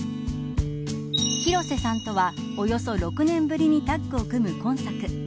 広瀬さんとは、およそ６年ぶりにタッグを組む今作。